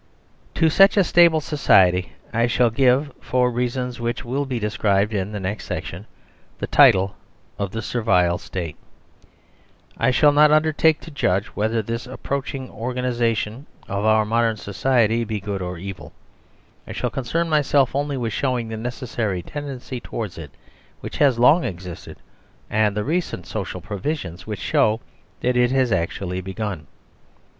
To such a stable society I shall give, for reasons which will be described in the next section, the title of THE SERVILE STATE. I shall not undertake to judge whether this ap proaching organisation of our modern society be good or evil. I shall concern myself only with show ing the necessary tendency towards it which has long existed and the recent social provisions which show that it has actually begun.